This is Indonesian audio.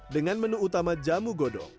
dengan menu utama jamu godong